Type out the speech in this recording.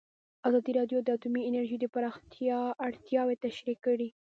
ازادي راډیو د اټومي انرژي د پراختیا اړتیاوې تشریح کړي.